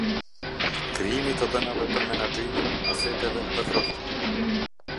Krijimi i të dhënave për menaxhimin, aseteve dhe produktit